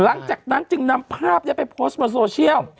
หลังจากนั้นจึงนำภาพนี้ไปโพสต์บนโซเชียล